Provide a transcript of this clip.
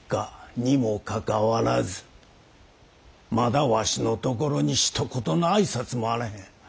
にもかかわらずまだわしのところにひと言の挨拶もあらへん。